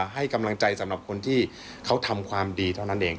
ให้กำลังใจสำหรับคนที่เขาทำความดีเท่านั้นเอง